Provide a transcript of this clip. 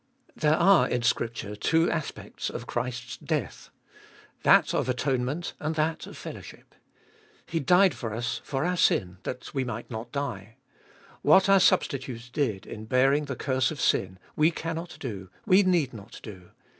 3. There are in Scripture two aspects of Christ's death—that of atonement and that of fellow ship. He died for us, for our sin, that we might not die. What our Substitute did in bearing the curse of sin, we cannot do, we need not do.